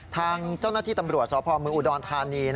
ทางเจ้าหน้าที่ตำรวจสพเมืองอุดรธานี